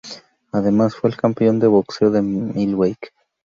Además, fue el campeón de boxeo de Milwaukee.